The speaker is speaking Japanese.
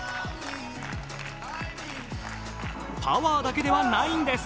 パワーだけではないんです。